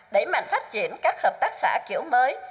đẩy mạnh phát triển các hợp tác xã kiểu mới